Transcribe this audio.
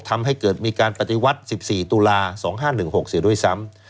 ทำให้เกิดมีการปฏิวัติ๑๔ตุลา๒๕๑๖เสียด้วยซ้ำ